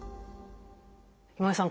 今井さん